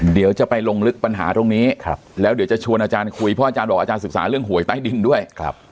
เดี๋ยวจะไปลงลึกปัญหาตรงนี้แล้วเดี๋ยวจะชวนอาจารย์คุยเพราะอาจารย์บอกอาจารย์ศึกษาเรื่องหวยใต้ดินด้วย